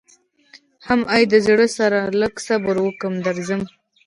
حم ای د زړه سره لږ صبر وکه درځم.